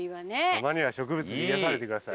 たまには植物に癒やされてください。